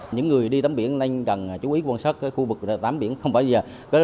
những người đi tắm biển nên cần chú ý quan sát khu vực tắm biển không bao giờ